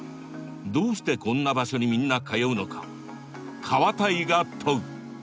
どうしてこんな場所にみんな通うのかカワタイが問う。